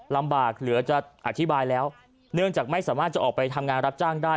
ลำบากเหลือจะอธิบายแล้วเนื่องจากไม่สามารถจะออกไปทำงานรับจ้างได้